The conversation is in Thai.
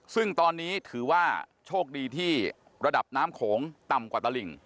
ซึ่งตอนนี้ถือว่าโชคดีที่ระดับน้ำโขงต่ำกว่าตลิ่ง